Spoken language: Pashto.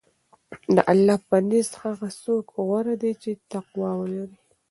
د الله په نزد هغه څوک غوره دی چې تقوی ولري.